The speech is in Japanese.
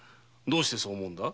どうしてそう思う？